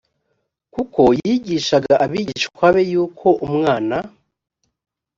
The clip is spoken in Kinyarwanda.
kuko yigishaga abigishwa be yuko umwana